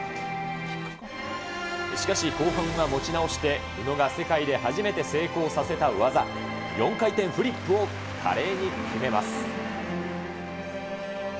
しかし後半は持ち直して、宇野が世界で初めて成功させた技、４回転フリップを華麗に決めます。